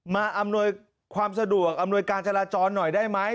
อำนวยความสะดวกอำนวยการจราจรหน่อยได้ไหม